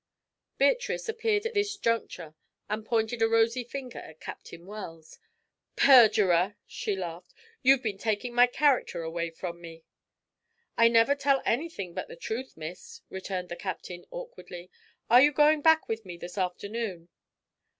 Beatrice appeared at this juncture and pointed a rosy finger at Captain Wells. "Perjurer!" she laughed. "You've been taking my character away from me!" "I never tell anything but the truth, Miss," returned the Captain, awkwardly. "Are you going back with me this afternoon?"